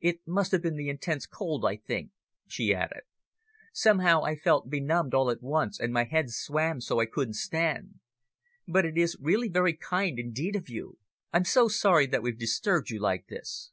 "It must have been the intense cold, I think," she added. "Somehow I felt benumbed all at once, and my head swam so that I couldn't stand. But it is really very kind indeed of you. I'm so sorry that we've disturbed you like this."